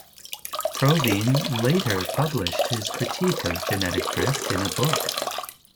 Provine later published his critique of genetic drift in a book.